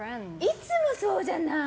いつもそうじゃない！